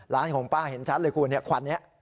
ร้านของป้าเห็นชัดเลยคุณควันนี้